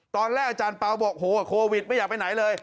ตอนแรกอาจารย์เบาบอกโควิดไม่อยากไปไหนเลย